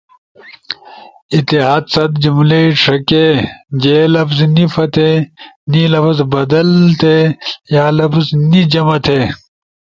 احتیاط ست جملئی ݜکے۔ جے لفظے نی پھتے۔ نی لفظ بدل تے۔ یا لفظ نی جمع تھے۔